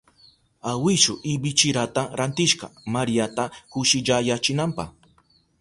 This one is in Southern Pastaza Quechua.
Awishu ibichirata rantishka Mariata kushillayachinanpa.